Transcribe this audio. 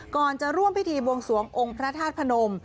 ก่อนจะร่วมพิธีบวงสวงองค์พระธาตุพนม